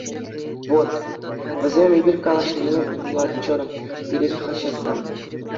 Вӑт, вӗсем эпир калаҫнине вулаччӑр пирӗн хаҫатра.